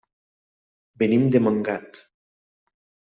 Venim de Montgat.